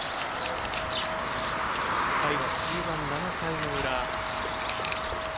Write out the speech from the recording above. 回は終盤７回の裏。